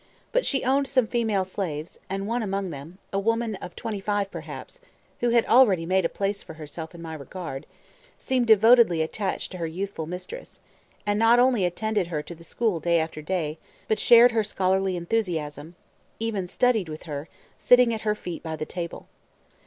But she owned some female slaves; and one among them, a woman of twenty five perhaps (who had already made a place for herself in my regard), seemed devotedly attached to her youthful mistress, and not only attended her to the school day after day, but shared her scholarly enthusiasm, even studied with her, sitting at her feet by the table.